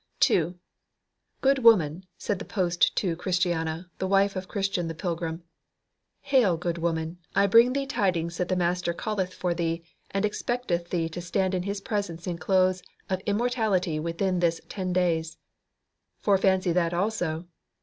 2. "Good woman," said the post to Christiana, the wife of Christian the pilgrim; "Hail, good woman, I bring thee tidings that the Master calleth for thee, and expecteth thee to stand in His presence in clothes of immortality within this ten days." Fore fancy that also.